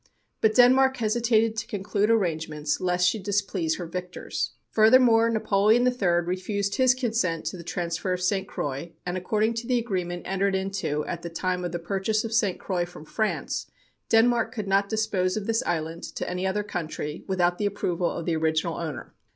But Denmark hesitated to conclude arrangements, lest she displease her victors. Furthermore, Napoleon III refused his consent to the transfer of St. Croix, and according to the agreement entered into at the time of the purchase of St. Croix from France, Denmark could not dispose of this island to any other country without the approval of the original owner.